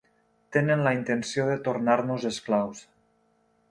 Tenen la intenció de tornar-nos esclaus.